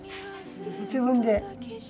自分で。